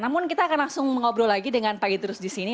namun kita akan langsung mengobrol lagi dengan pak idrus di sini